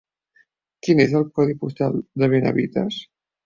Quin és el codi postal de Benavites?